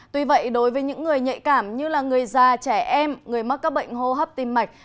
tuy vậy đối với những người nhạy cảm như là người già trẻ em người mắc các bệnh hô hấp tim mạch